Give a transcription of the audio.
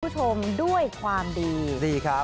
ผู้ชมด้วยความดี